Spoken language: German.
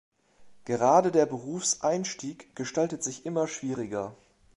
Gerade der Berufseinstieg gestaltet sich immer schwieriger.